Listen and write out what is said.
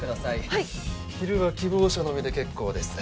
はい昼は希望者のみで結構です